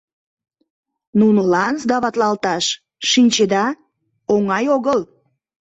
Нунылан сдаватлалташ, шинчеда, оҥай огыл.